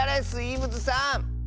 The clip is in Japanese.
スイームズさん。